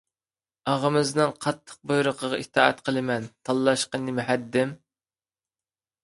ئاغىمىزنىڭ قاتتىق بۇيرۇقىغا ئىتائەت قىلىمەن. تاللاشقا نېمە ھەددىم؟